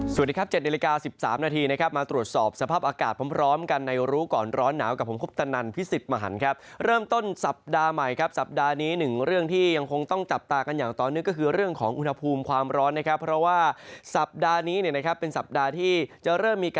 สวัสดีครับ๗นาฬิกา๑๓นาทีนะครับมาตรวจสอบสภาพอากาศพร้อมกันในรู้ก่อนร้อนหนาวกับผมคุปตนันพิสิทธิ์มหันครับเริ่มต้นสัปดาห์ใหม่ครับสัปดาห์นี้หนึ่งเรื่องที่ยังคงต้องจับตากันอย่างต่อเนื่องก็คือเรื่องของอุณหภูมิความร้อนนะครับเพราะว่าสัปดาห์นี้เนี่ยนะครับเป็นสัปดาห์ที่จะเริ่มมีก